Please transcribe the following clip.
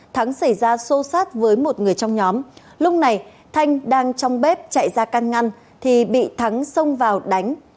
thắng xảy ra xô sát với một người trong nhóm lúc này thanh đang trong bếp chạy ra can ngăn thì bị thắng xông vào đánh